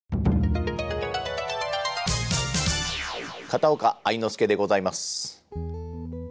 片岡愛之助でございます。